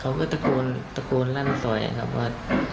เขาก็ตะโกนตะโกนลั่นซอยครับว่า